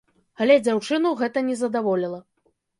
Але дзяўчыну гэта не задаволіла.